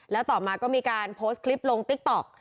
แล้วต่อมาก็มีการโพสต์คลิปลงติ๊กต๊อก